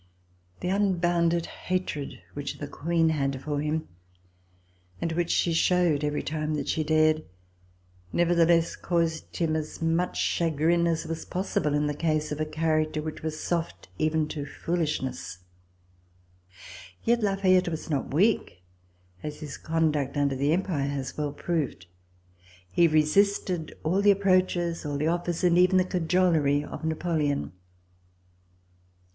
The unbounded hatred which the Queen had for him, and which she showed every time that she dared, nevertheless RECOLLECTIONS OF THE REVOLUTION caused him as much chagrin as was possible in the case of a character which was soft even to fooHshness. Yet La Fayette was not weak, as his conduct under the Empire has well proved. He resisted all the ap proaches, all the offers and even the cajolery of Napoleon.